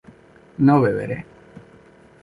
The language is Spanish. no beberé